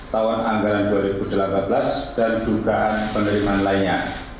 tahun anggaran dua ribu delapan belas dan dugaan penerimaan lainnya